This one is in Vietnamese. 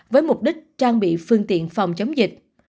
với mục đích trang bị phương tiện phòng chống dịch